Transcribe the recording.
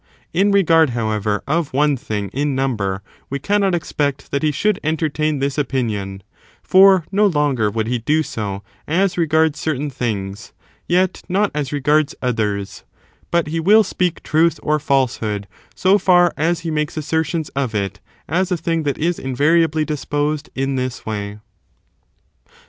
In regard, however, of one thing in number we cannot expect that he should entertain this opinion, for no longer would he do so as regards certain things, yet not as regards others ; but he will speak truth or falsehood so far as he makes assertions of it as a thing that is invariably disposed in this way.